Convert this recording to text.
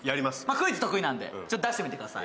クイズ得意なんで、出してみてください。